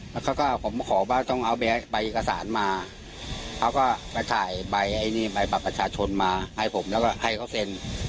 แล้วเขาก็ผมขอว่าต้องเอาใบเอกสารมาเขาก็ไปถ่ายใบไอ้นี่ใบบัตรประชาชนมาให้ผมแล้วก็ให้เขาเซ็น